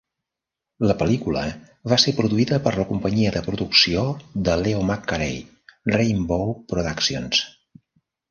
La pel·lícula va ser produïda per la companyia de producció de Leo McCarey, Rainbow Productions.